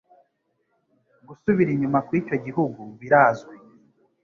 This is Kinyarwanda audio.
Gusubira inyuma kwicyo gihugu birazwi.